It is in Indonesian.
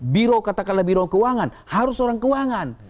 biro katakanlah biro keuangan harus orang keuangan